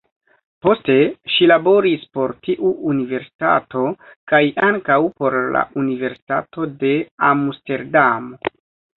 Poste ŝi laboris por tiu universitato kaj ankaŭ por la Universitato de Amsterdamo.